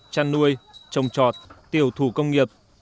chăn nuôi trồng trọt tiểu thủ công nghiệp